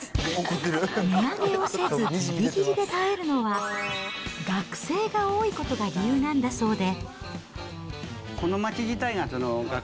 値上げをせずぎりぎりで耐えるのは、学生が多いことが理由なんだそうで。